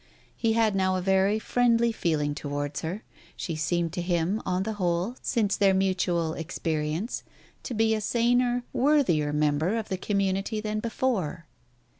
He had now a very friendly feeling towards her, she seemed to him, on the whole, since their mutual experi ence, to be a saner, worthier member of the community than before.